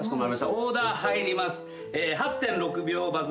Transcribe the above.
オーダー入ります。